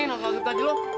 masak lagi tadi lu